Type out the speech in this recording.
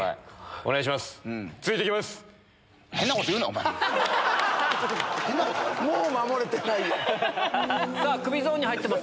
お願いします。